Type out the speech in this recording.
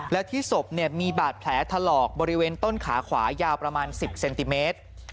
และที่ศพมีบาดแผลถลอกบริเวณต้นขาขวายาวประมาณ๑๐เซนติเมตร